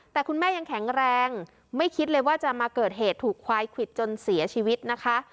แต่คุณแม่ยังแข็งแรงไม่คิดเลยว่าจะมาเกิดเหตุถูกควายควิดจนเสียชีวิตนะคะ